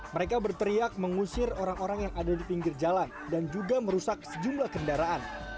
mereka berteriak mengusir orang orang yang ada di pinggir jalan dan juga merusak sejumlah kendaraan